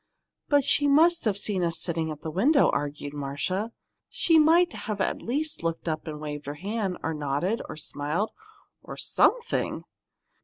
"But she must have seen us sitting in the window," argued Marcia. "She might at least have looked up and waved her hand, or nodded, or smiled or something!"